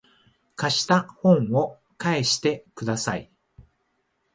貸した本を返してください